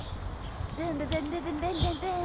ブンブブンブブブンブンブン！